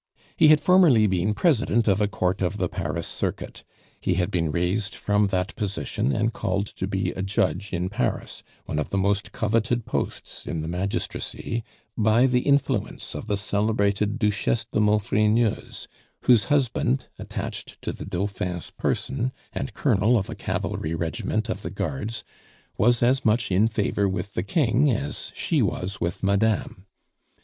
He had formerly been President of a Court of the Paris circuit; he had been raised from that position and called to be a judge in Paris one of the most coveted posts in the magistracy by the influence of the celebrated Duchesse de Maufrigneuse, whose husband, attached to the Dauphin's person, and Colonel of a cavalry regiment of the Guards, was as much in favor with the King as she was with MADAME.